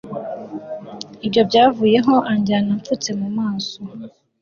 Ibyo byavuyeho anjyana amfutse mu maso